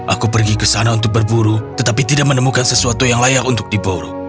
aku pergi ke sana untuk berburu tetapi tidak menemukan sesuatu yang layak untuk diburu